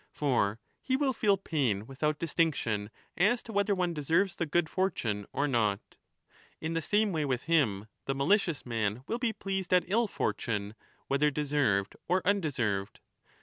For he will feel pain without distinction as to whether one deserves the good fortune or not. In the same way with him the malicious man will be pleased at ill fortune, whether deserved or 18 29 = E.N.